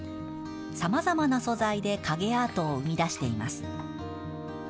さまざまな素材で影アートを生み出しています。